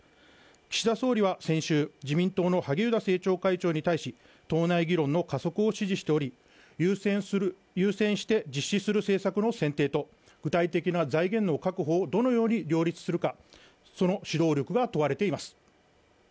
岸田総理は先週、自民党の萩生田政調会長に対し、党内議論の加速を指示しており、優先して実施する政策の選定と、具体的な財源の確保をどのように両立するか、その指導力が問われています。